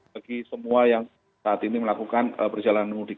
bagi semua yang saat ini melakukan perjalanan mudik